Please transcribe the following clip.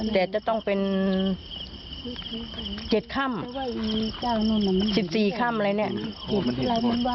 แต่จะต้องเป็น๗ค่ำ๑๔ค่ำอะไรเนี่ย